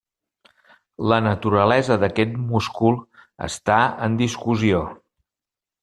La naturalesa d'aquest múscul està en discussió.